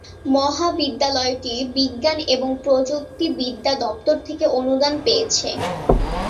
মহাবিদ্যালয়টি বিজ্ঞান এবং প্রযুক্তিবিদ্যা দপ্তর থেকে অনুদান পেয়েছে।